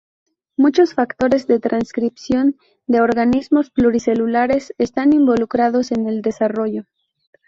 Muchos factores de transcripción de organismos pluricelulares están involucrados en el desarrollo.